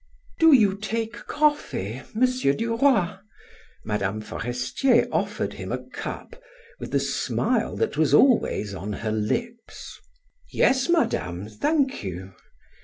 "Do you take coffee, M. Duroy?" Mme. Forestier offered him a cup, with the smile that was always upon her lips. "Yes, Madame, thank you."